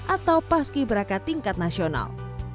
atau paski beraka tingkat nasional